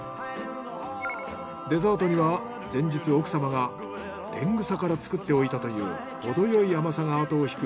デザートには前日奥様が天草から作っておいたというほどよい甘さがあとをひく